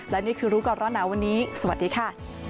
และนี่คือรู้ก่อนร้อนหนาวันนี้สวัสดีค่ะ